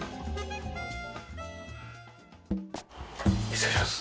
失礼します。